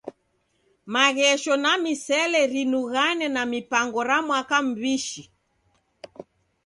Maghesho na misele rinighane na mipango ra mwaka m'mbishi.